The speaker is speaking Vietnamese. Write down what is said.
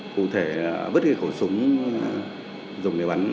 cụ thể là bất kỳ khẩu súng dùng để bắn anh phàm